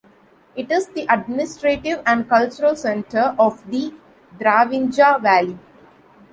It is the administrative and cultural centre of the Dravinja Valley.